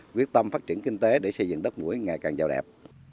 quyết tâm phát triển kinh tế để xây dựng đất mũi ngày càng giàu đẹp